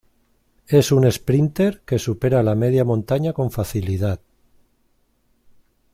Es un esprínter que supera la media montaña con facilidad.